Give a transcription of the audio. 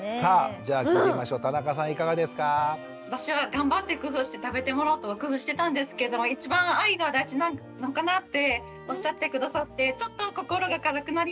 私は頑張って工夫して食べてもらおうと工夫してたんですけども一番愛が大事なのかなっておっしゃって下さってちょっと心が軽くなりました。